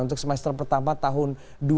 untuk semester pertama tahun dua ribu tujuh belas